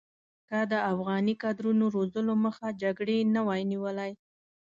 که د افغاني کادرونو روزلو مخه جګړې نه وی نیولې.